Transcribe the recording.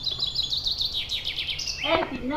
ঈশ্বরের নামে তো আমরা সবাই অন্ধ।